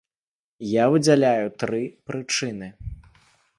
Я выдзяляю тры прычыны.